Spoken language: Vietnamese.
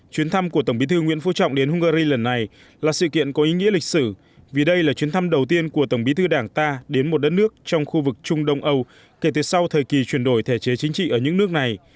chuyến thăm của tổng bí thư nguyễn phú trọng đến hungary lần này là sự kiện có ý nghĩa lịch sử vì đây là chuyến thăm đầu tiên của tổng bí thư đảng ta đến một đất nước trong khu vực trung đông âu kể từ sau thời kỳ chuyển đổi thể chế chính trị ở những nước này